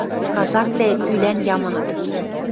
Казаквлӓэт пӱлан ямыныт.